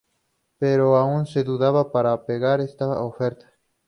Pero aún se dudaba para pagar esta oferta.